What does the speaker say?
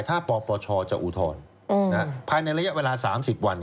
ถ้าปปชจะอุทธรณ์ภายในระยะเวลา๓๐วัน